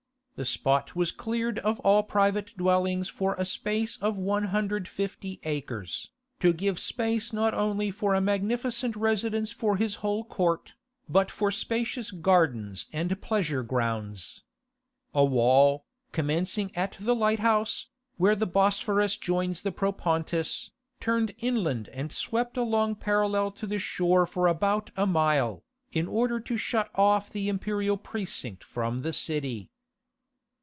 The spot was cleared of all private dwellings for a space of 150 acres, to give space not only for a magnificent residence for his whole court, but for spacious gardens and pleasure grounds. A wall, commencing at the Lighthouse, where the Bosphorus joins the Propontis, turned inland and swept along parallel to the shore for about a mile, in order to shut off the imperial precinct from the city.